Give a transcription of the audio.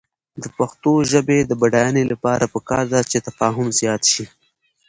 د پښتو ژبې د بډاینې لپاره پکار ده چې تفاهم زیات شي.